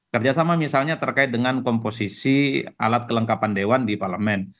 kerjasama misalnya terkait dengan komposisi alat kelengkapan dewan di parlemen